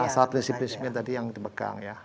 asal prinsip prinsipnya tadi yang dipegang ya